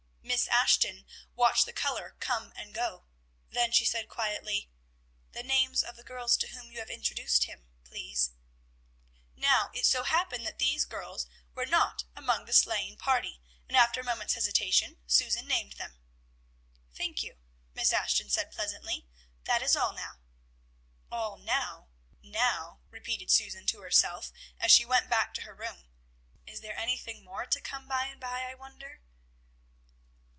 Miss Ashton watched the color come and go; then she said quietly, "The names of the girls to whom you have introduced him, please." Now, it so happened that these girls were not among the sleighing party, and after a moment's hesitation Susan named them. "Thank you," Miss Ashton said pleasantly. "That is all now." "All now, now," repeated Susan to herself, as she went back to her room. "Is there anything more to come by and by I wonder?"